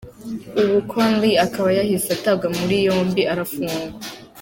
Ubu Conley akaba yahise atabwa muri yombi arafungwa.